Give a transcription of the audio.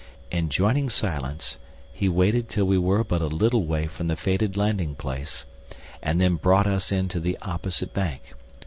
Enjoining silence, he waited till we were but a little way from the fated landing place, and then brought us in to the opposite bank.